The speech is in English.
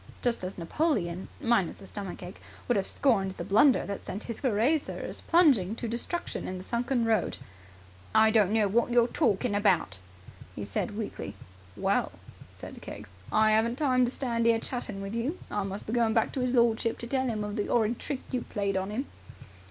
Just as Napoleon, minus a stomach ache, would have scorned the blunder that sent his Cuirassiers plunging to destruction in the sunken road. "I don't know what you're torkin' about," he said weakly. "Well," said Keggs, "I haven't time to stand 'ere chatting with you. I must be going back to 'is lordship, to tell 'im of the 'orrid trick you played on him."